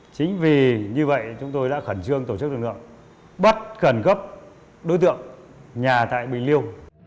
chính vì như vậy chúng tôi đã khẩn trương tổ chức lực lượng bắt khẩn cấp đối tượng nhà tại bình liêu